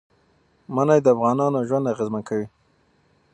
منی د افغانانو ژوند اغېزمن کوي.